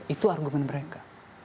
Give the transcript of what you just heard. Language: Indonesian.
itu argumen mereka